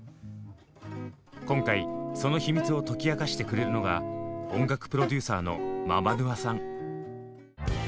今回その秘密を解き明かしてくれるのが音楽プロデューサーのｍａｂａｎｕａさん。